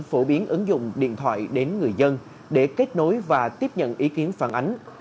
phổ biến ứng dụng điện thoại đến người dân để kết nối và tiếp nhận ý kiến phản ánh